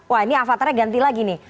wah ini avatarnya ganti lagi nih